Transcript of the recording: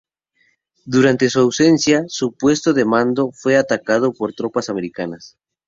Durante su ausencia, su puesto de mando fue atacado por tropas americanas.